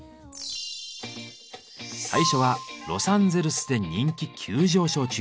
最初はロサンゼルスで人気急上昇中！